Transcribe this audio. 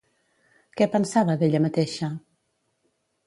Què pensava d'ella mateixa?